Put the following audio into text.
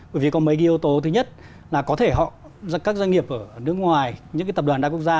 bởi vì có mấy yếu tố thứ nhất là có thể các doanh nghiệp ở nước ngoài những tập đoàn thái quốc gia